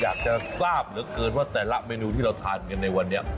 อยากจะทราบเหลือเกินว่าแต่ละเมนูที่เราทานกันในวันนี้